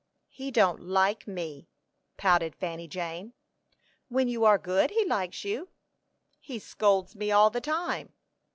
"He don't like me," pouted Fanny Jane. "When you are good he likes you." "He scolds me all the time."